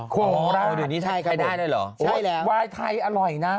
โคลาสไวน์ไทยอร่อยนะ